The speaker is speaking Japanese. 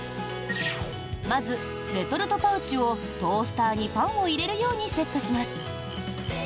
まず、レトルトパウチをトースターにパンを入れるようにセットします。